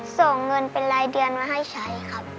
ส่งเงินเป็นรายเดือนมาให้ใช้ครับ